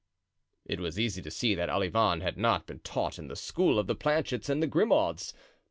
It was easy to see that Olivain had not been taught in the school of the Planchets and the Grimauds.